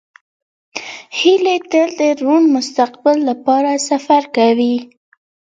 هیلۍ تل د روڼ مستقبل لپاره سفر کوي